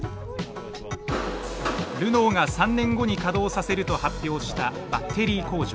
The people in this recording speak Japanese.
ルノーが３年後に稼働させると発表したバッテリー工場。